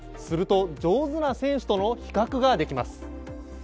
すると、上手な選手との比較ができます。